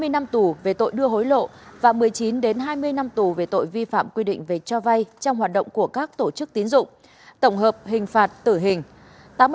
hai mươi năm tù về tội đưa hối lộ và một mươi chín hai mươi năm tù về tội vi phạm quy định về cho vay trong hoạt động của các tổ chức tín dụng tổng hợp hình phạt tử hình